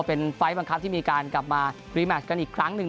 เป็นไฟล์บังคับที่มีการกลับมารีแมชกันอีกครั้งหนึ่ง